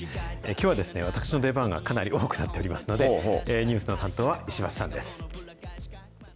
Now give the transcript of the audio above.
きょうは、私の出番がかなり多くなっておりますので、ニュースの担当は石橋さんです。